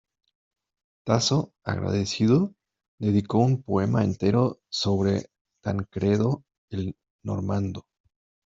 Tasso, agradecido, dedicó un poema entero sobre Tancredo el normando.